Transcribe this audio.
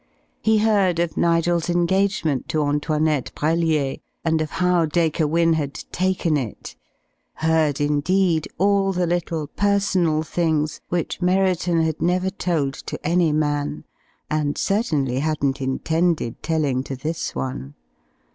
He heard of Nigel's engagement to Antoinette Brellier, and of how Dacre Wynne had taken it, heard indeed all the little personal things which Merriton had never told to any man, and certainly hadn't intended telling to this one.